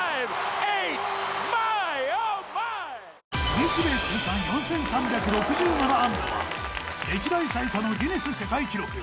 日米通算４３６７安打は歴代最多のギネス世界記録。